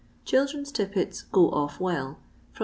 Children's tippets " go off well," from 6d.